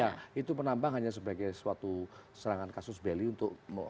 ya itu penambang hanya sebagai suatu serangan kasus beli untuk